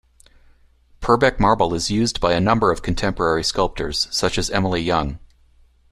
Purbeck Marble is used by a number of contemporary sculptors, such as Emily Young.